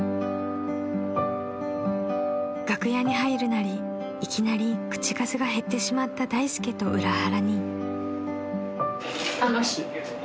［楽屋に入るなりいきなり口数が減ってしまった大助と裏腹に］